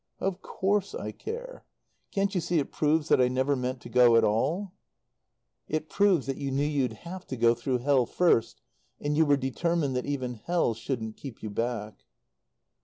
"Of course I care. Can't you see it proves that I never meant to go at all?" "It proves that you knew you'd have to go through hell first and you were determined that even hell shouldn't keep you back."